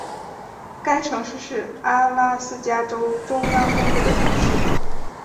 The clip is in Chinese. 该城市是阿拉斯加州中央东部的城市。